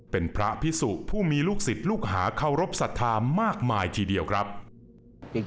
เป็นพระพิสุผู้มีลูกศิษย์ลูกหาเคารพสัทธามากมายทีเดียวครับ